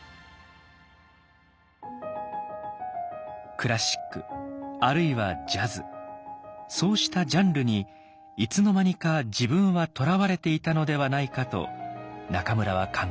クラシックあるいはジャズそうしたジャンルにいつの間にか自分はとらわれていたのではないかと中村は考えました。